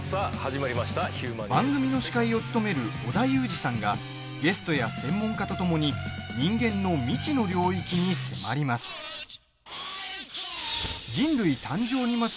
番組の司会を務める織田裕二さんがゲストや専門家とともに人間の未知の領域に迫ります。